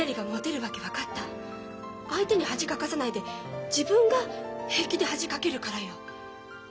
相手に恥かかせないで自分が平気で恥かけるからよ。